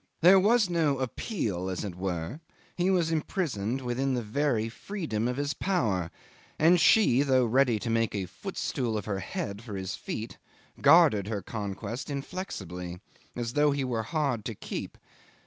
There was no appeal, as it were; he was imprisoned within the very freedom of his power, and she, though ready to make a footstool of her head for his feet, guarded her conquest inflexibly as though he were hard to keep.